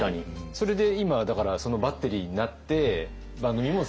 それで今だからそのバッテリーになって番組も続いて。